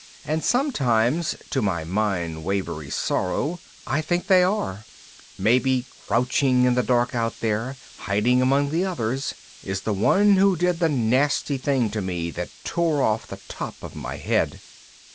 And sometimes (to my mind wavery sorrow) I think they are. Maybe crouching in the dark out there, hiding among the others, is the one who did the nasty thing to me that tore off the top of my head.